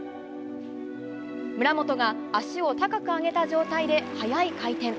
村元が足を高く上げた状態で速い回転。